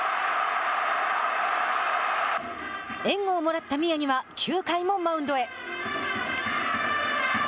援護をもらった宮城は９回もマウンドへ。